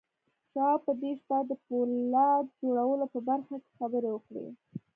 شواب په دې شپه د پولاد جوړولو په برخه کې خبرې وکړې.